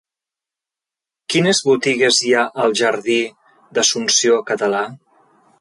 Quines botigues hi ha al jardí d'Assumpció Català?